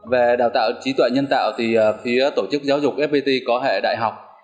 về đào tạo trí tuệ nhân tạo thì phía tổ chức giáo dục fpt có hệ đại học